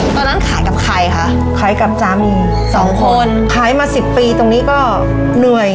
ตอนนั้นขายกับใครคะขายกับสามีสองคนขายมาสิบปีตรงนี้ก็เหนื่อย